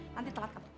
nanti telat kamu